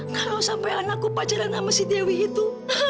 kalau sampai anakku pelajaran sama si dewi itu